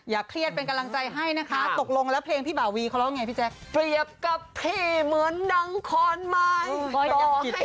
อย่าเครียดเป็นกำลังใจให้นะคะตกลงแล้วเพลงพี่บ่าวีเขาเล่าอย่างไรพี่แจ๊ก